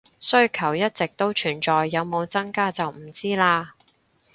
需求一直都存在，有冇增加就唔知喇